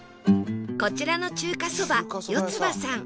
こちらの中華そば四つ葉さん